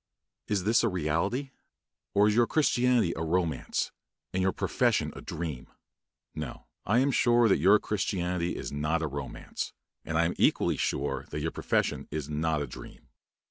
Is this a reality? or is your Christianity a romance, and your profession a dream? No; I am sure that your Christianity is not a romance, and I am equally sure that your profession is not a dream.